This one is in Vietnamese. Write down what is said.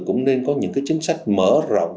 cũng nên có những cái chính sách mở rộng